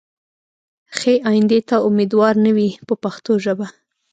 ښې ایندې ته امیدوار نه وي په پښتو ژبه.